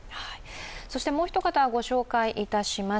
そしてもうひと方、ご紹介いたします。